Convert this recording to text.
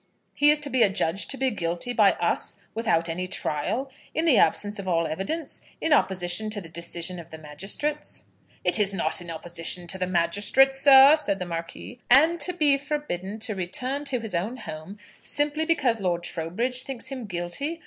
He is to be adjudged to be guilty by us, without any trial, in the absence of all evidence, in opposition to the decision of the magistrates " "It is not in opposition to the magistrates, sir," said the Marquis. "And to be forbidden to return to his own home, simply because Lord Trowbridge thinks him guilty!